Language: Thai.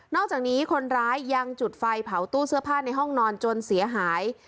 อกจากนี้คนร้ายยังจุดไฟเผาตู้เสื้อผ้าในห้องนอนจนเสียหาย